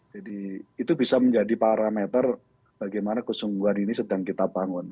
jadi itu bisa menjadi parameter bagaimana kesungguhan ini sedang kita bangun